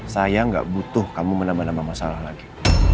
saya gak butuh kamu menambah nambah masalah lagi